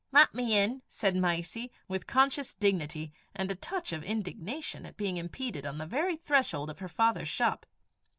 "Lat me in," said Mysie, with conscious dignity and a touch of indignation at being impeded on the very threshold of her father's shop.